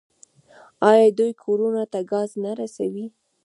آیا دوی کورونو ته ګاز نه رسوي؟